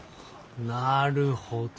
なるほど。